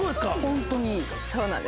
ホントに。